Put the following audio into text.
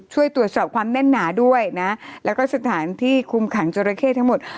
ช่วยตรวจสอบความแน่นหนาด้วยนะแล้วก็สถานที่คุมขังจราเข้ทั้งหมด